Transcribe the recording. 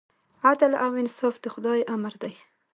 عدل او انصاف د خدای امر دی.